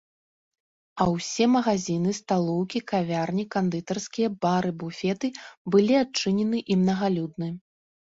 А ўсе магазіны, сталоўкі, кавярні, кандытарскія, бары, буфеты былі адчынены і мнагалюдны.